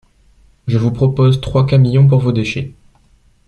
je vous propose trois camions pour vos déchets